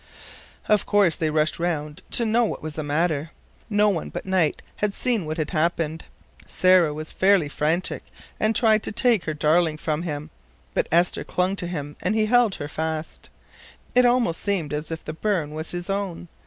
Of course they rushed around her to know what was the matter. No one but Knight had seen what had happened. Sarah was fairly frantic, and tried to take her darling from him, but Esther clung to him and he held her fast. It almost seemed as if the burn was his own.